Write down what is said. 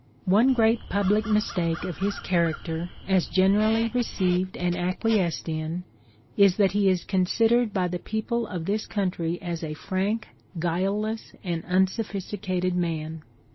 " One great public mistake of his character, as generally received and acquiesced in, is that he is considered by the people of this country as a frank, guileless, and unsophisticated man.